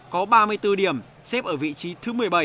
có ba mươi bốn điểm xếp ở vị trí thứ một mươi bảy